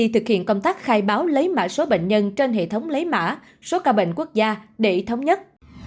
thực hiện công tác khai báo lấy mã số bệnh nhân trên hệ thống lấy mã số ca bệnh quốc gia để thống nhất